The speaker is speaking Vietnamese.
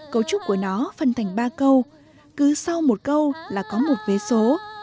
cấu trúc của nó phân thành ba câu cứ sau một câu là có một vé số